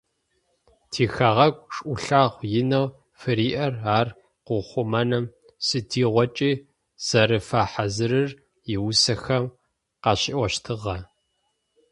Тихэгъэгу шӏулъэгъу инэу фыриӏэр, ар къыухъумэным сыдигъокӏи зэрэфэхьазырыр иусэхэм къащиӏощтыгъэ.